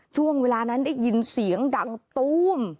ช่วงเวลานั้นได้ยินเสียงดังตู้ม